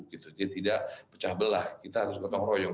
jadi tidak pecah belah kita harus gotong royong